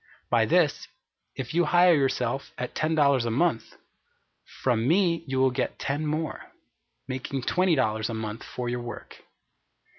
By this, if you hire yourself at ten dollars a month, from me you will get ten more, making twenty dollars a month for your work.